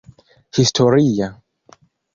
historia